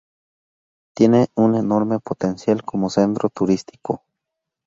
Tiene un enorme potencial como centro turístico.